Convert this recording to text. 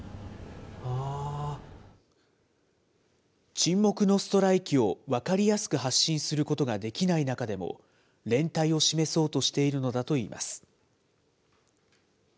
沈黙のストライキを分かりやすく発信することができない中でも、連帯を示そうとしているのだといいます。